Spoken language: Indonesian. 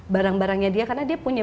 barang barangnya dia karena dia punya